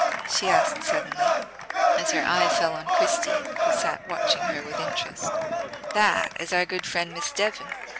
she asked suddenly, as her eye fell on Christie, who sat watching her with interest: "That is our good friend Miss Devon.